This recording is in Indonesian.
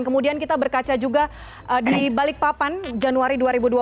kemudian kita berkaca juga di balikpapan januari dua ribu dua puluh